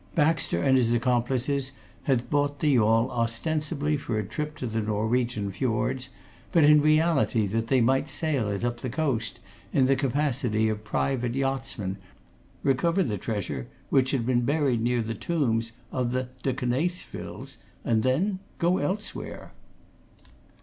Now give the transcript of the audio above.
Baxter and his accomplices had bought the yawl, ostensibly for a trip to the Norwegian fjords, but in reality that they might sail it up the coast, in the capacity of private yachtsmen, recover the treasure which had been buried near the tombs of the de Knaythevilles, and then go elsewhere.